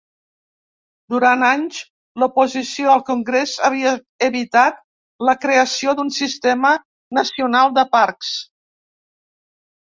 Durant anys, l'oposició al Congrés havia evitat la creació d'un sistema nacional de parcs.